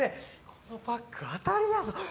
このパック当たりやぞ。